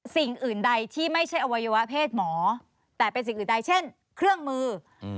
สิ่งอื่นใดที่ไม่ใช่อวัยวะเพศหมอแต่เป็นสิ่งอื่นใดเช่นเครื่องมือ